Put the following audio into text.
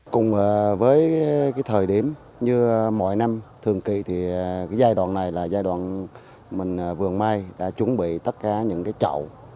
cùng với thời điểm như mỗi năm thường kỳ thì giai đoạn này là giai đoạn mình vườn mai đã chuẩn bị tất cả những trậu